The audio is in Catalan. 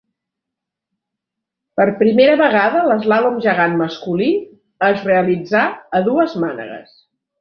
Per primera vegada l'eslàlom gegant masculí es realitzà a dues mànegues.